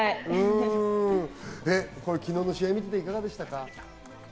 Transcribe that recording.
昨日の試合見ていていかがでしたか？